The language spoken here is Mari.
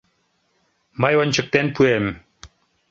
Мый ончыктен пуэм.